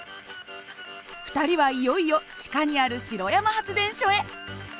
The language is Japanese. ２人はいよいよ地下にある城山発電所へ。